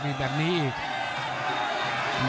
มีแบบนี้อีก